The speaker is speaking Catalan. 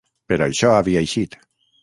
Per això havia eixit.